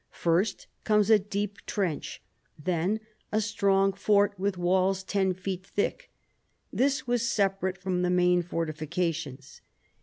First comes a deep trench, then a strong fort with walls ten feet thick. This was separate from the main fortifications.